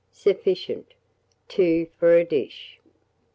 Sufficient, 2 for a dish.